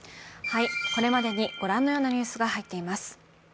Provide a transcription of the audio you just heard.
これまでにご覧のようなニュースが入っています。